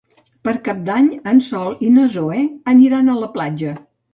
Per Cap d'Any en Sol i na Zoè aniran a la platja.